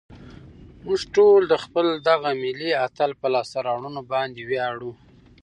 موږ ټول د خپل دغه ملي اتل په لاسته راوړنو باندې ویاړو.